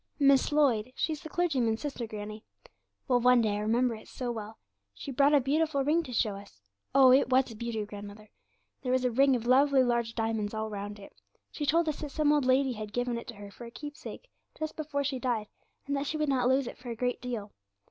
'Miss Lloyd; she's the clergyman's sister, granny. Well, one day (I remember it so well) she brought a beautiful ring to show us. Oh! it was a beauty, grandmother. There was a ring of lovely large diamonds all round it. She told us that some old lady had given it to her for a keepsake, just before she died, and that she would not lose it for a great deal.